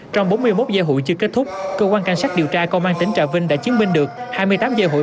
trong bốn mươi một dây hụi chưa kết thúc cơ quan cảnh sát điều tra công an tỉnh trà vinh đã chứng minh được hai mươi tám dây hụi